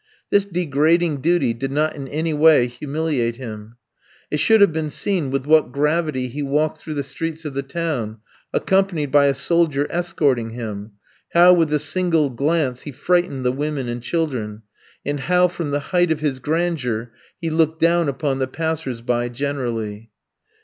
This degrading duty did not in any way humiliate him. It should have been seen with what gravity he walked through the streets of the town, accompanied by a soldier escorting him; how, with a single glance, he frightened the women and children; and how, from the height of his grandeur, he looked down upon the passers by generally.